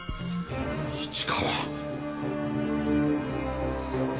市川。